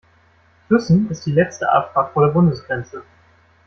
Füssen ist die letzte Abfahrt vor der Bundesgrenze.